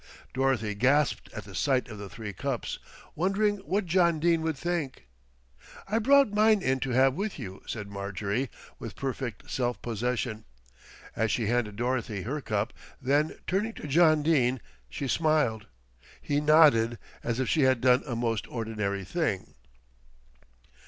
Dorothy gasped at the sight of the three cups, wondering what John Dene would think. "I brought mine in to have with you," said Marjorie with perfect self possession, as she handed Dorothy her cup, then turning to John Dene she smiled. He nodded, as if she had done a most ordinary thing.